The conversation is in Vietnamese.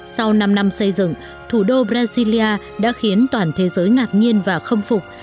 sau năm năm xây dựng thủ đô brazilya đã khiến toàn thế giới ngạc nhiên và khâm phục